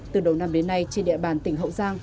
từ đầu năm đến nay trên địa bàn tỉnh hậu giang